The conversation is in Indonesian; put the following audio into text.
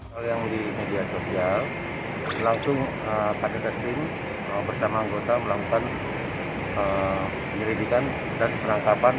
kalau yang di media sosial langsung ktskrim bersama anggota melakukan penyelidikan dan penangkapan